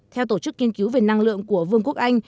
theo tổ chức nghiên cứu về năng lượng của vương quốc anh